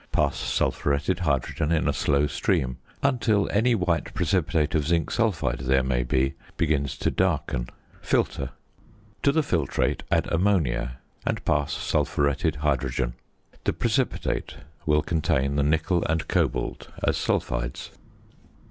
Pass sulphuretted hydrogen in a slow stream until any white precipitate of zinc sulphide, there may be, begins to darken. Filter; to the filtrate add ammonia, and pass sulphuretted hydrogen. The precipitate will contain the nickel and cobalt as sulphides.